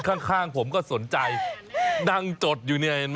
คนข้างผมก็สนใจดั่งจดอยู่เนี่ยเห็นมั้ย